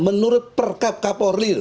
menurut per kap kaporil